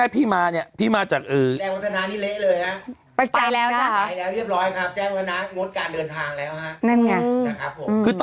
จริงมึงบ้าบ่อมากเลยอ่ะ